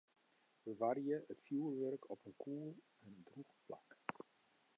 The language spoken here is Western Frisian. Bewarje it fjurwurk op in koel en drûch plak.